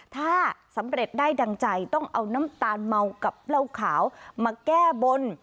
ถ้าสำเร็จได้ดังใจต้องเอาน้ำตาลเมากับเหล้าขาวมาแก้บน